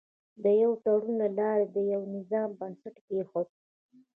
د یوه تړون له لارې یې د نوي نظام بنسټ کېښود.